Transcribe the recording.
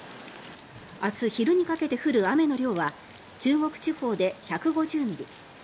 明日昼にかけて降る雨の量は中国地方で１５０ミリ